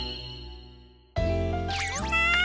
みんな！